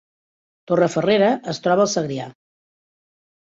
Torrefarrera es troba al Segrià